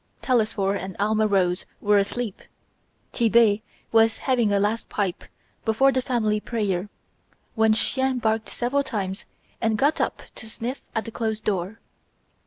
Telesphore and Alma Rose were asleep, Tit'Bé was having a last pipe before the family prayer, when Chien barked several times and got up to sniff at the closed door.